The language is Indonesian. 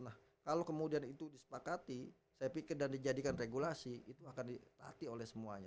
nah kalau kemudian itu disepakati saya pikir dan dijadikan regulasi itu akan ditaati oleh semuanya